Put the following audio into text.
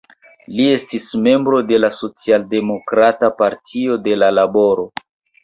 Li estis membro de la socialdemokrata Partio de la Laboro.